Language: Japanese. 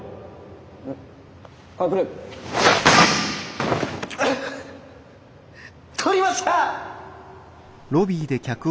うっ捕りました！